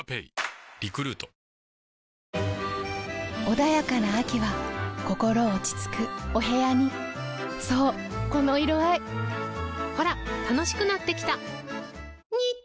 穏やかな秋は心落ち着くお部屋にそうこの色合いほら楽しくなってきた！